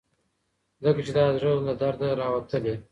ځکه چې دا د زړه له درده راوتلي.